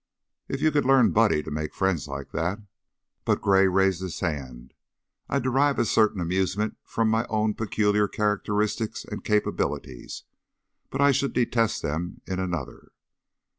"If you could learn Buddy to make friends like that " But Gray raised his hand. "I derive a certain amusement from my own peculiar characteristics and capabilities, but I should detest them in another."